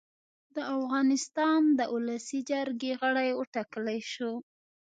د افغانستان د اولسي جرګې غړی اوټاکلی شو